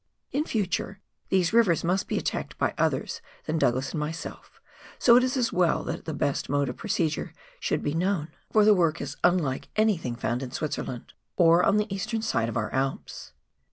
In future these rivers must be attacked by others than Douglas and myself, so it is as well that the best mode of procedure should be known, for the work is quite unlike A PASS TO THE HERMITAGE. 281 anythmg found in Switzerland, or on the eastern side of our Alps.